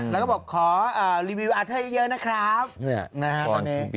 เหนือว่าขอรีวิวอาร์เทอร์ให้เยอะนะครับ